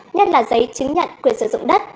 nhất là giấy chứng nhận quyền sử dụng đất